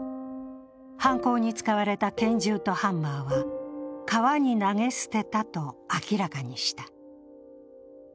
犯行に使われた拳銃とハンマーは川に投げ捨てたと明らかにした。